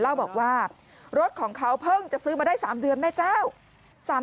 เล่าบอกว่ารถของเขาเพิ่งจะซื้อมาได้๓เดือนแม่เจ้า